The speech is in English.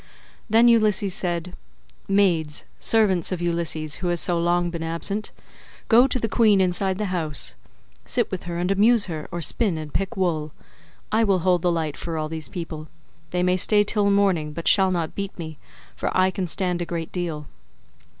Then Ulysses said: "Maids, servants of Ulysses who has so long been absent, go to the queen inside the house; sit with her and amuse her, or spin, and pick wool. I will hold the light for all these people. They may stay till morning, but shall not beat me, for I can stand a great deal."